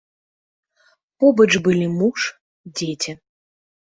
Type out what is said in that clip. Побач былі муж, дзеці.